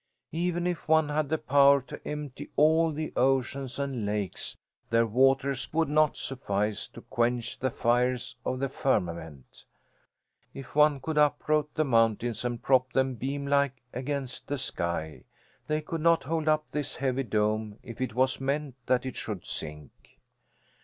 Even if one had the power to empty all the oceans and lakes, their waters would not suffice to quench the fires of the firmament. If one could uproot the mountains and prop them, beam like, against the sky, they could not hold up this heavy dome if it was meant that it should sink.